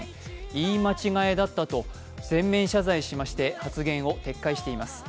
言い間違えだったと全面謝罪しまして発言を撤回しています。